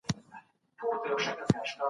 دغه حج دونه تېز دی چي د سړي ایمان تازه کوی.